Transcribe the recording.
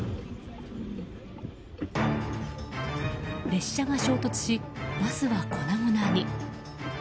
列車が衝突し、バスは粉々に。